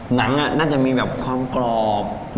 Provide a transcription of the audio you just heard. หนังน่าจะมีแบบความกรอบ